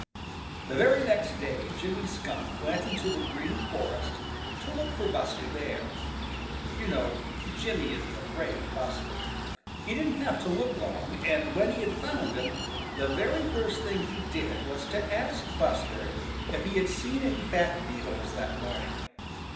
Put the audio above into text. The very next day Jimmy Skunk went into the Green Forest to look for Buster Bear. You know Jimmy isn't afraid of Buster. He didn't have to look long, and when he had found him, the very first thing he did was to ask Buster if he had seen any fat beetles that morning.